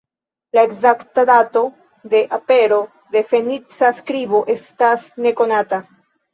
La ekzakta dato de apero de fenica skribo estas nekonata.